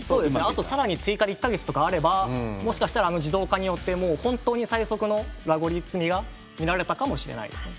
あと更に追加で１か月とかあればもしかしたらあの自動化によってもう本当に最速のラゴリ積みが見られたかもしれないです。